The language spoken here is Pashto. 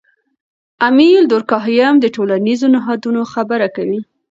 امیل دورکهایم د ټولنیزو نهادونو خبره کوي.